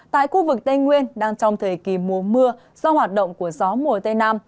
tại khu vực tây nguyên đang trong thời kỳ mùa mưa do hoạt động của gió mùa tây nam